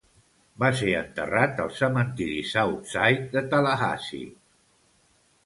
Va ser enterrat al cementiri Southside de Tallahassee.